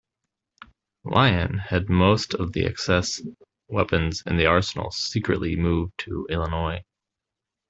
Lyon had most of the excess weapons in the arsenal secretly moved to Illinois.